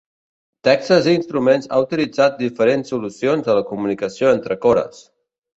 Texas Instruments ha utilitzat diferents solucions a la comunicació entre cores.